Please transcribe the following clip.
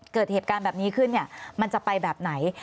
เกิดเหตุการณ์แบบนี้ขึ้นเนี่ยมันจะไปแบบไหน